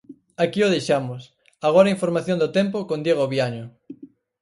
Aquí o deixamos, agora a información do tempo con Diego Viaño.